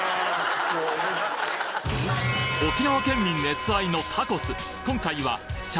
沖縄県民熱愛のタコス。